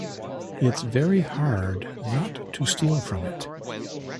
It's very hard not to steal from it.